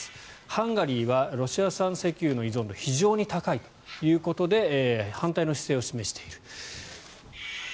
ハンガリーはロシア産石油の依存度が非常に高いということで反対の姿勢を示している。